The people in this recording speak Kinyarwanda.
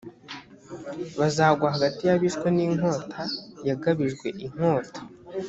bazagwa hagati y abishwe n inkota yagabijwe inkota